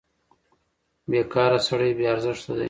بېکاره سړی بې ارزښته دی.